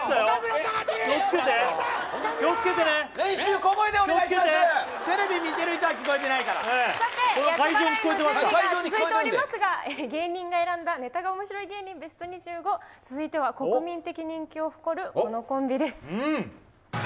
さて、厄払いの準備が続いておりますが、芸人が選んだネタが面白い芸人２５、続いては国民的人気を誇るこのコンビです。